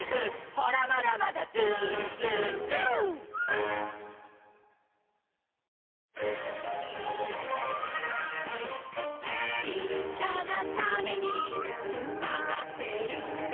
「ほらまだまだＺｏｏＺｏｏＺｏｏ」「ちっちゃなタネにつまってるんだ」